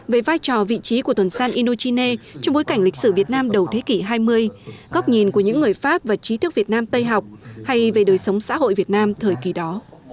về vai trò vị trí của tuần san indochina trong bối cảnh lịch sử việt nam đầu thế kỷ hai mươi góc nhìn của những người pháp và trí thức việt nam tây học hay về đời sống xã hội việt nam thời kỳ đó